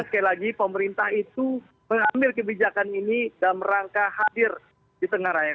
sekali lagi pemerintah itu mengambil kebijakan ini dalam rangka hadir di tengah raya